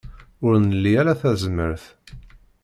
Ur nli ara tazmert.